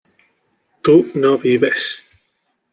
tú no vives